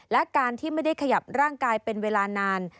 และการที่ไม่ได้ขยับร่างกายเป็นเวลานาน